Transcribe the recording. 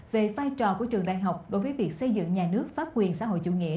về vai trò của trường đại học đối với việc xây dựng nhà nước pháp quyền xã hội chủ nghĩa